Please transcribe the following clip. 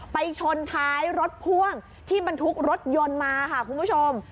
ไปชนท้ายรถพ่วงที่บรรทุกรถยนต์มาค่ะคุณผู้ชม